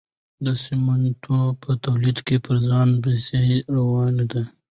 د سمنټو په تولید کې پر ځان بسیاینه راروانه ده.